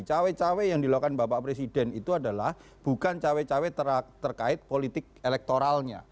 cowek cowek yang dilakukan bapak presiden itu adalah bukan cowek cowek terkait politik elektoralnya